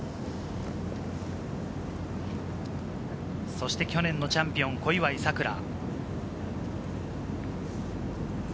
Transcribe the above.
そして去年のチャンピオン、小祝さくら。